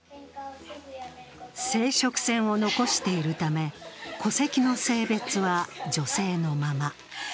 生殖腺を残しているため戸籍の性別は女性のまま。